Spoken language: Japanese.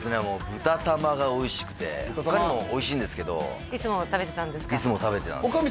豚玉がおいしくて他のもおいしいんですけどいつも食べてたんですか？